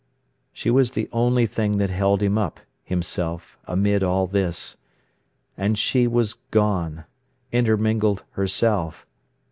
She was the only thing that held him up, himself, amid all this. And she was gone, intermingled herself.